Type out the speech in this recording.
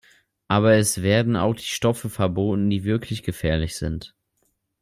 Aber es werden auch die Stoffe verboten, die wirklich gefährlich sind.